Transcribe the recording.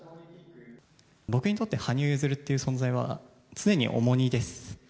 僕にとって羽生結弦っていう存在は、常に重荷です。